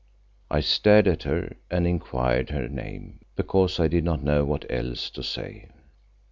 I stared at her and inquired her name, because I did not know what else to say.